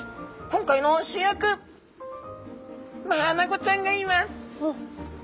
今回の主役マアナゴちゃんがいます。